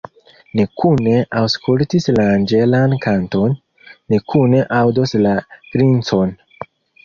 Ni kune aŭskultis la anĝelan kanton, ni kune aŭdos la grincon.